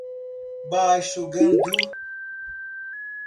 Baixo Guandu